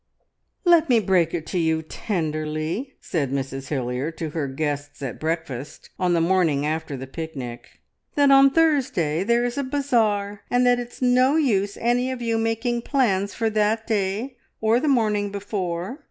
"Let me break it to you tenderly," said Mrs Hilliard to her guests at breakfast on the morning after the picnic, "that on Thursday there is a bazaar, and that it's no use any of you making plans for that day or the morning before.